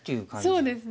そうですね。